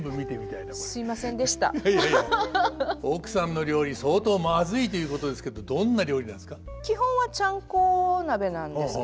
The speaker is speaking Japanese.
いやいや奥さんの料理相当まずいということですけどどんな料理なんですか？